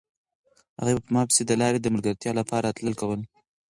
هغې په ما پسې د لارې د ملګرتیا لپاره راتلل کول.